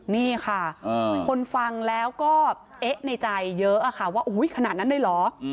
นี่ค่ะคนฟังแล้วก็เอ๊ะในใจเยอะค่ะว่าขนาดนั้นเลยเหรอ